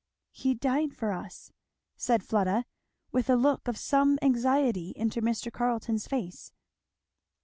"He died for us," said Fleda, with a look of some anxiety into Mr. Carleton's face.